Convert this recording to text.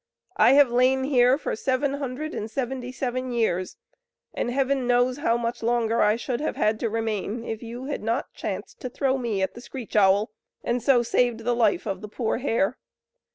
I have lain here for seven hundred and seventy seven years; and Heaven knows how much longer I should have had to remain, if you had not chanced to throw me at the screech owl, and so saved the life of the poor hare.